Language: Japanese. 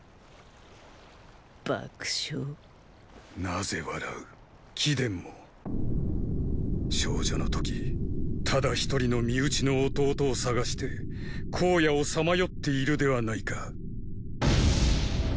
なぜ笑う貴殿も少女の時唯一人の身内の弟を探して荒野をさまよっているではないか。